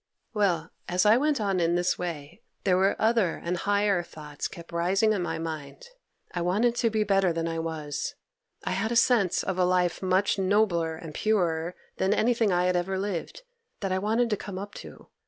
'Well, as I went on in this way there were other and higher thoughts kept rising in my mind. I wanted to be better than I was; I had a sense of a life much nobler and purer than anything I had ever lived, that I wanted to come up to.